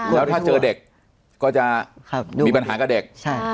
แล้วถ้าเจอเด็กก็จะมีปัญหากับเด็ก